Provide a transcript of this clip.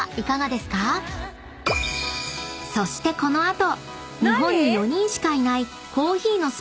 ［そしてこの後］